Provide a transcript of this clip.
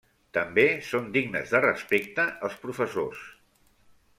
També són dignes de respecte els professors.